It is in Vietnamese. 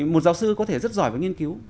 một giáo sư có thể rất giỏi và nghiên cứu